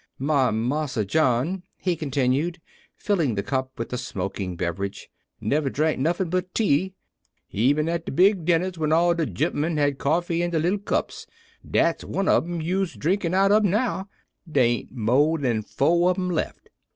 "My Marsa John," he continued, filling the cup with the smoking beverage, "never drank nuffin' but tea, eben at de big dinners when all de gemmen had coffee in de little cups dat's one ob 'em you's drinkin' out ob now; dey ain't mo' dan fo' on 'em left.